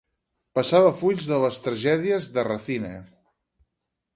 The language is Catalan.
Passava fulls de les tragèdies de Racine.